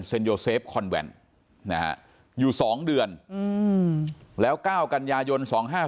เซ็นโยเซฟคอนแวนอยู่๒เดือนแล้วก้าวกันยายน๒๕๔๘